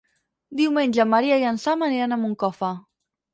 Diumenge en Maria i en Sam aniran a Moncofa.